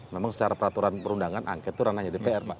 memang secara peraturan perundangan angket itu ranahnya dpr pak